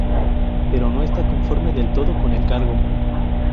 Pero no está conforme del todo con el encargo.